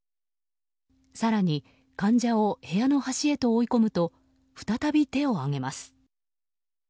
更に、患者を部屋の端へと追い込むと再び手を上げます。